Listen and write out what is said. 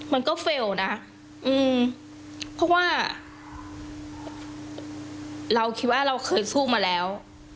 มันก็เฟลล์นะเพราะว่าเราคิดว่าเราเคยสู้มาแล้ว